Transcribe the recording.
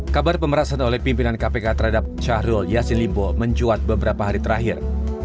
kabar pemerasan oleh pimpinan kpk terhadap syahrul yassin limbo mencuat beberapa hari terakhir